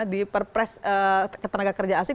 di perpres ketenaga kerja asing